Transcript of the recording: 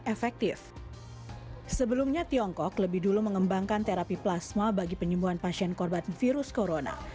efektif sebelumnya tiongkok lebih dulu mengembangkan terapi plasma bagi penyembuhan pasien korban virus corona